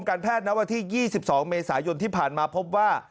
การแพทย์ณวันที่๒๒เมษายนที่ผ่านมาพบว่า